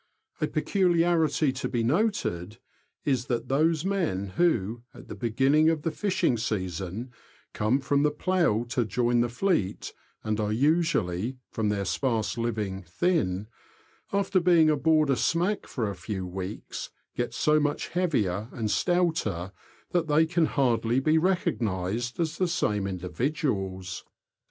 A pecuHarity to be noted, R 2 244 THE LAND OF THE BROADS. is that those men who, at the beginning of the fishing season, come from the plough to join the fleet, and are usually, from their sparse living, thin, after being aboard a smack for a few weeks, get so much heavier and stouter that they can hardly be recognised as the same individuals.